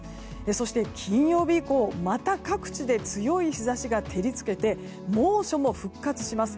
そして、金曜日以降また各地で強い日差しが照りつけて、猛暑も復活します。